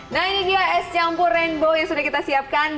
nah ini dia es campur rainbow yang sudah kita siapkan